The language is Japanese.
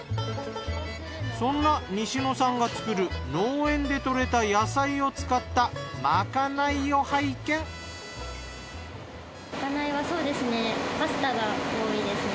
そんな西野さんが作る農園で採れた野菜を使ったまかないはそうですねパスタが多いですね。